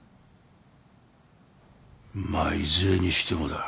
まあいずれにしてもだ